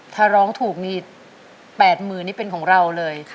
ถ้าร้องถูกนี่๘๐๐๐นี่เป็นของเราเลย